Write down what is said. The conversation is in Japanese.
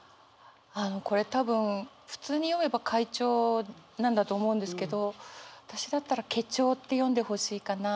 あのこれ多分普通に読めば「かいちょう」なんだと思うんですけど私だったら「けちょう」って読んでほしいかな。